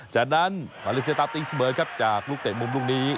จากนั้นมาเลเซียตามตีเสมอครับจากลูกเตะมุมลูกนี้